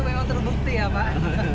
memang terbukti ya pak